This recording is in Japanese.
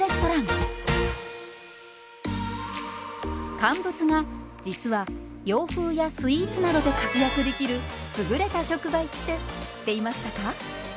乾物が実は洋風やスイーツなどで活躍できる優れた食材って知っていましたか？